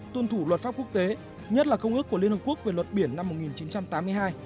tuân thủ luật pháp quốc tế nhất là công ước của liên hợp quốc về luật biển năm một nghìn chín trăm tám mươi hai